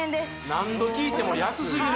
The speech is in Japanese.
何度聞いても安すぎる